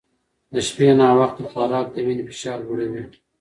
د شپې ناوخته خوراک د وینې فشار لوړوي.